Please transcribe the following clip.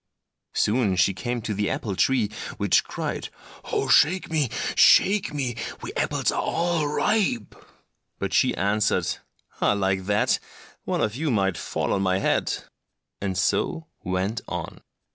Soon she came to the apple tree, which cried, "Oh, shake me! shake me! we apples are all ripe!" But she answered, "I like that! one of you might fall on my head," and so went on.